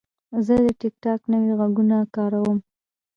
زه د ټک ټاک نوي غږونه کاروم.